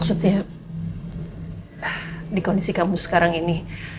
maksudnya di kondisi kamu sekarang ini